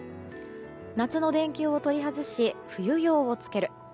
夏の電球を取り外し冬用を付ける。